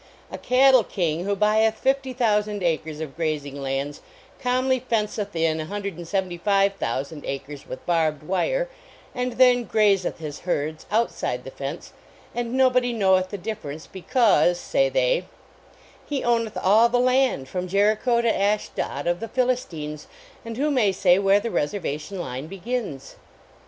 A cattle king who buyeth 50,000 acres of grazing lands calmly fenceth in 175,000 acres with barbed wire and then grazeth his herds outside the fence, and nobody knoweth the difference, because, say they 1 He owneth all the land from Jericho to Ashdod of the Philistines, and who may say where the Reservation line begins?"